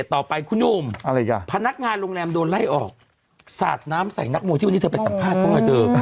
ต่อไปคุณหนุ่มพนักงานโรงแรมโดนไล่ออกสาดน้ำใส่นักมวยที่วันนี้เธอไปสัมภาษณ์เข้ามาเจอกัน